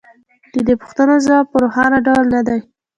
د دې پوښتنو ځواب په روښانه ډول نه دی